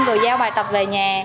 rồi giao bài tập về nhà